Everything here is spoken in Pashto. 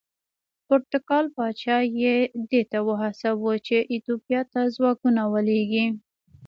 پرتګال پاچا یې دې ته وهڅاوه چې ایتوپیا ته ځواکونه ولېږي.